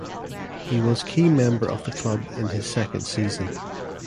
He was key member of the club in his second season.